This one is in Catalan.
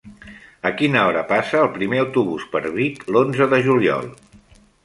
A quina hora passa el primer autobús per Vic l'onze de juliol?